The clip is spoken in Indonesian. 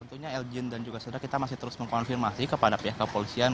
tentunya elgian dan juga saudara kita masih terus mengkonfirmasi kepada pihak kepolisian